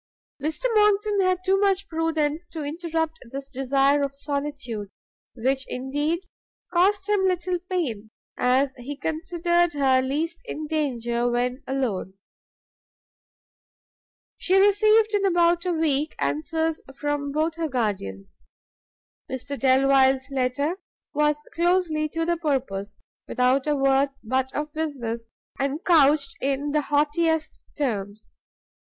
Mr Monckton had too much prudence to interrupt this desire of solitude, which indeed cost him little pain, as he considered her least in danger when alone. She received in about a week answers from both her guardians. Mr Delvile's letter was closely to the purpose, without a word but of business, and couched in the haughtiest terms.